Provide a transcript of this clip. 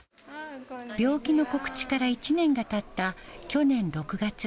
病気の告知から１年がたった去年６月。